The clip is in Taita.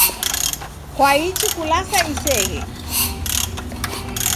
Kwaichi kulasa iseghe?